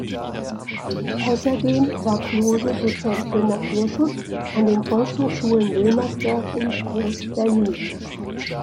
Außerdem war Klose Dozent für Naturschutz an den Volkshochschulen Wilmersdorf und Groß-Berlin.